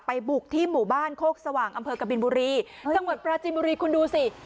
บุกที่หมู่บ้านโคกสว่างอำเภอกบินบุรีจังหวัดปราจินบุรีคุณดูสิ